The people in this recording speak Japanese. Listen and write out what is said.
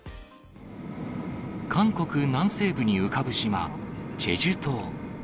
韓国南西部に浮かぶ島、チェジュ島。